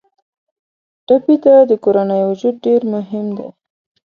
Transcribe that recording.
ټپي ته د کورنۍ وجود ډېر مهم دی.